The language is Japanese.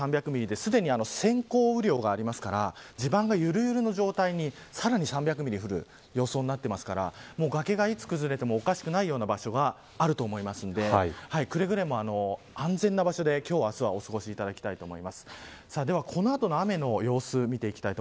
これも、あしたまでに３００ミリですでに先行雨量がありますから地盤が、ゆるゆるの状態にさらに３００ミリ降る予想になっていますから崖がいつ崩れてもおかしくないような場所があると思いますのでくれぐれも安全な場所で今日、明日はお過ごしいただきたいと思います。